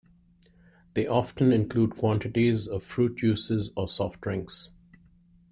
They often include quantities of fruit juices or soft drinks.